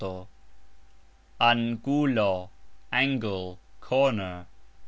angulo : angle, corner.